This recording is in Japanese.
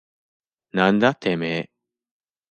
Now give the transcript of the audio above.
なんだてめえ。